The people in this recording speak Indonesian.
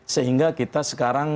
sehingga kita sekarang